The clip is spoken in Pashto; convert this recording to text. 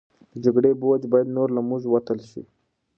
د جګړې بوج باید نور له موږ وتل شي.